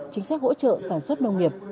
chính sách hỗ trợ sản xuất nông nghiệp